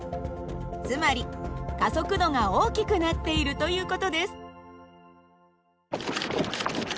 つまり加速度が大きくなっているという事です。